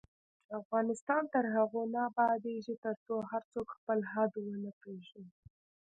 افغانستان تر هغو نه ابادیږي، ترڅو هر څوک خپل حد ونه پیژني.